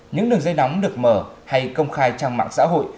những đường dây nóng được mở hay công khai trang mạng xã hội